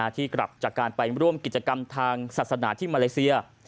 ที่กลับจากการไปร่วมกิจกรรมทางศาสนาที่มาเลเซีย